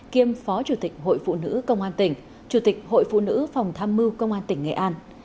kiêm phó chủ tịch hội phụ nữ công an tỉnh chủ tịch hội phụ nữ phòng tham mưu công an tỉnh nghệ an